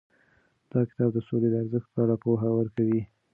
دا کتاب د سولې د ارزښت په اړه پوهه ورکوي.